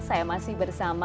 saya masih bersama